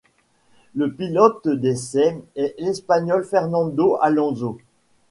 Le pilote d'essais est l'Espagnol Fernando Alonso.